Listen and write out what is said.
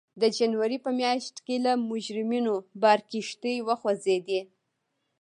د جنورۍ په میاشت کې له مجرمینو بار کښتۍ وخوځېدې.